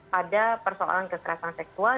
pada persoalan kekerasan seksual